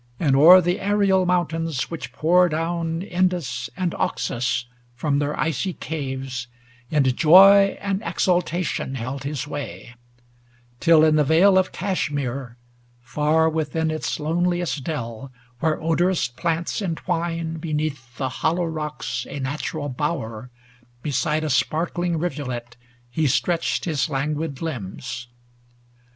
And o'er the aerial mountains which pour down Indus and Oxus from their icy caves, In joy and exultation held his way; Till in the vale of Cashmire, far within Its loneliest dell, where odorous plants en* twine Beneath the hollow rocks a natural bower, Beside a sparkling rivulet he stretched His languid limbs.